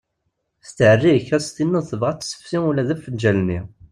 Tetherrik ad as-tiniḍ tebɣa ad tessefsi ula d afenǧal-nni.